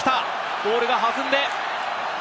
ボールが弾んで。